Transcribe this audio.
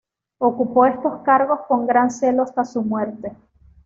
Ocupó estos cargos con gran celo hasta su muerte.